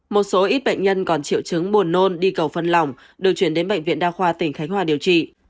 một số ít bệnh nhân còn triệu chứng buồn nôn đi cầu phân lòng được chuyển đến bệnh viện đa khoa tỉnh khánh hòa điều trị